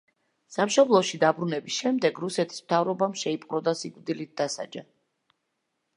სამშობლოში დაბრუნების შემდეგ რუსეთის მთავრობამ შეიპყრო და სიკვდილით დასაჯა.